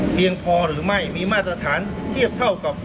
เพียงพอหรือไม่มีมาตรฐานเทียบเท่ากับ